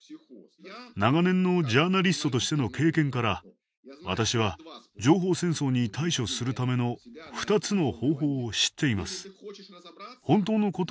長年のジャーナリストとしての経験から私は情報戦争に対処するための２つの方法を知っています。